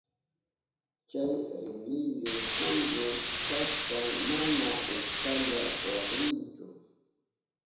Chay rimillu pulbu kashpan mana utkalla waklinchu.